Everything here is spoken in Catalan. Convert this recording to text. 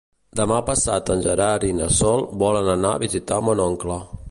Demà passat en Gerard i na Sol volen anar a visitar mon oncle.